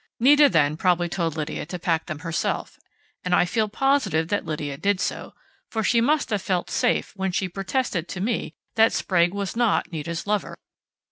Nita then probably told Lydia to pack them herself, and I feel positive that Lydia did so, for she must have felt safe when she protested to me that Sprague was not Nita's lover.